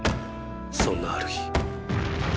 そんなある日。